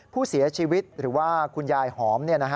ผู้เสียชีวิตหรือว่าคุณยายหอม